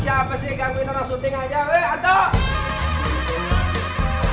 oke sekarang om ganti pakaian dulu ya